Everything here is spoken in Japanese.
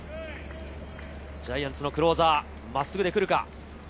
ジャイアンツのクローザー、真っすぐで来るか？